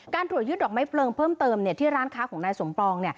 ตรวจยึดดอกไม้เพลิงเพิ่มเติมที่ร้านค้าของนายสมปอง